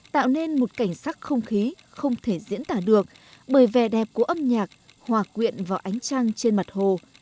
tạo nên một cảnh sắc không khí không thể diễn tả được bởi vẻ đẹp của âm nhạc hòa quyện vào ánh trăng trên mặt hồ